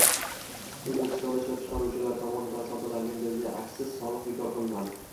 O‘zbekistonda ishlab chiqaruvchilar tomonidan sotiladigan gazga aksiz solig‘i bekor qilinadi